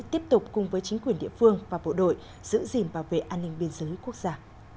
tiếp tục cùng với chính quyền địa phương và bộ đội giữ gìn bảo vệ an ninh biên giới quốc gia